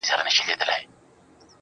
صبر د انسان بریا زیاتوي.